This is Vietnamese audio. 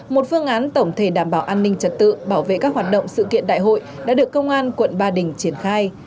một phương án tổng thể đảm bảo an ninh trật tự bảo vệ các hoạt động sự kiện đại hội đã được công an quận ba đình triển khai